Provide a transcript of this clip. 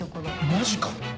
マジか？